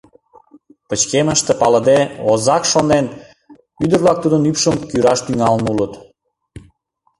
Пычкемыште палыде, озак шонен, ӱдыр-влак тудын ӱпшым кӱраш тӱҥалын улыт.